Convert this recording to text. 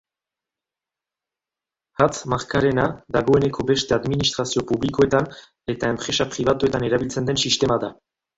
Hatz markarena dagoeneko beste administrazio publikoetan eta enpresa pribatuetan erabiltzen den sistema da.